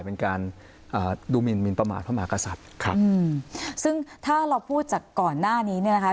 เป็นการอ่าดูหมินมินประมาทพระมหากษัตริย์ครับอืมซึ่งถ้าเราพูดจากก่อนหน้านี้เนี่ยนะคะ